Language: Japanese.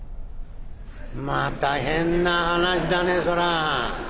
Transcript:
「また変な話だねそりゃ。